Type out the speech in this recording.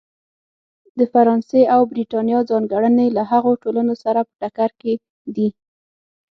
د فرانسې او برېټانیا ځانګړنې له هغو ټولنو سره په ټکر کې دي.